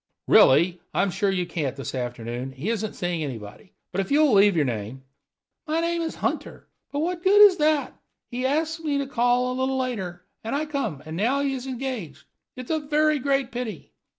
"Really, I'm sure you can't this afternoon; he isn't seeing anybody. But if you'll leave your name " "My name is Hunter; but what the good of that? He ask me to call a little later, and I come, and now he is engaged. It is a very great pity."